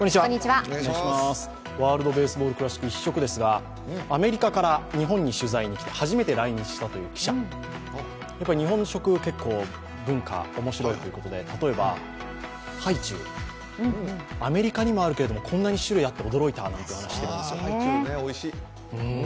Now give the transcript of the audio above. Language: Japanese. ワールドベースボールクラシック一色ですが、アメリカから初めて来日したという記者、日本食、結構文化、面白いということで、例えばハイチュウ、アメリカにもあるけれども、こんなに種類があって驚いたという話。